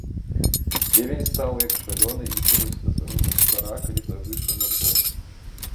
Певень стаў як шалёны і кінуўся на свайго гаспадара, калі той выйшаў на двор.